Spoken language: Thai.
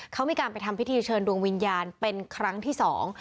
เขามีการไปทำพิธีเชิญดวงวิญญาณเป็นครั้งที่สอง